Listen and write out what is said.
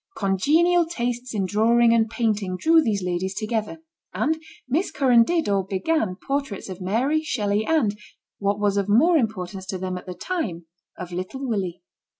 Congenial tastes in drawing and painting drew these ladies together, and Miss Curran dirt or began portraits of Mary, Shelley, and, what was of more importance to them at the time, of little Willie.